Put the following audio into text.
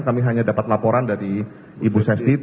kami hanya dapat laporan dari ibu sestip